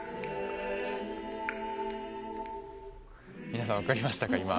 皆さん、分かりましたか？